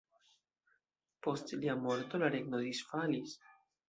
Post lia morto la regno disfalis.